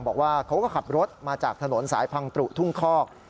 บอกว่าเขาก็ขับรถมาจากถนนสายพังตรุทุ่งคอก